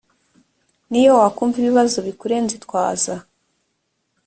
niyo wakumva ibibazo bikurenze, twaza